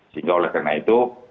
sehingga oleh karena itu